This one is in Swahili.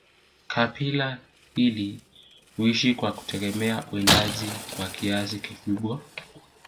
kabila hili huishi kwa kutegemea uwindaji kwa kiasi kikubwa